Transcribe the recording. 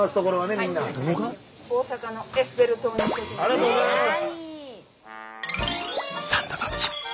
ありがとうございます！